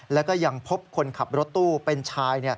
แล้วก็ยังพบคนขับรถตู้เป็นชาย